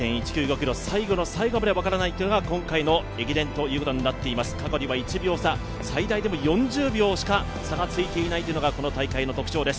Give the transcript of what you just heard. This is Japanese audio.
ｋｍ、最後の最後まで分からないというのが今回の駅伝ということになっています、過去には１秒差最大でも４０秒しか差がついていないというのがこの大会の特徴です。